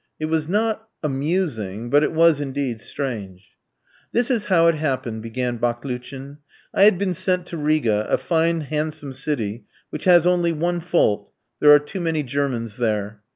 It was not "amusing," but it was indeed strange. "This is how it happened," began Baklouchin; "I had been sent to Riga, a fine, handsome city, which has only one fault, there are too many Germans there.